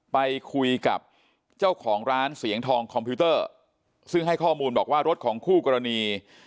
ไปคุยกับเจ้าของร้านเสียงทองคอมพิวเตอร์ซึ่งให้ข้อมูลบอกว่ารถของคู่กรณี